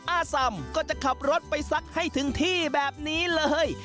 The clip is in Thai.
อาสำก็จะขับรถไปซักให้ถึงที่แบบนี้เลย